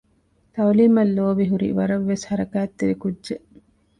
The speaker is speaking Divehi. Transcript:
ތައުލީމަށް ލޯބިހުރި ވަރަށް ވެސް ހަރަކާތްތެރި ކުއްޖެއް